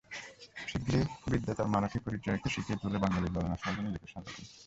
শিগগির বিদ্যা তাঁর মারাঠি পরিচয়কে শিকেয় তুলে বাঙালি ললনার সাজে নিজেকে সাজাবেন।